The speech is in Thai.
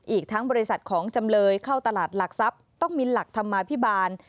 อีกทั้งบริษัทของจำเลยเข้าตลาดหลักทรัพย์ต้องมีหลักธรรมาภิบาล